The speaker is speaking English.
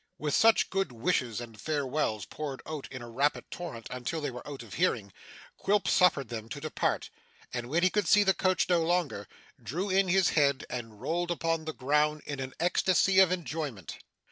With such good wishes and farewells, poured out in a rapid torrent until they were out of hearing, Quilp suffered them to depart; and when he could see the coach no longer, drew in his head, and rolled upon the ground in an ecstacy of enjoyment.